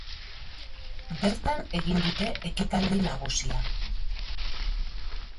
Bertan egin dute ekitaldi nagusia.